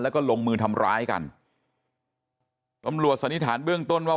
แล้วก็ลงมือทำร้ายกันตำรวจสันนิษฐานเบื้องต้นว่า